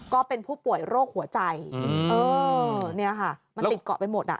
ก็เป็นผู้ป่วยโรคหัวใจเออเนี่ยค่ะมันติดเกาะไปหมดอ่ะ